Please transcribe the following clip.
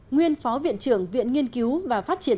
nguyên phó viện trưởng viện nghiên cứu và phát triển